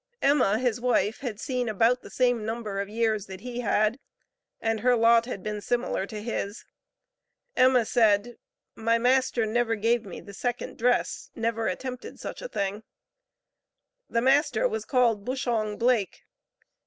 Emma, his wife, had seen about the same number of years that he had, and her lot had been similar to his. Emma said, "My master never give me the second dress, never attempted such a thing." The master was called Bushong Blake.